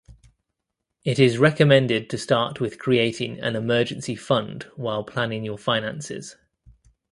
It is recommended to start with creating an emergency fund while planning your finances.